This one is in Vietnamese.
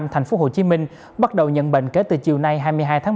thành phố hồ chí minh bắt đầu nhận bệnh kể từ chiều nay hai mươi hai tháng bảy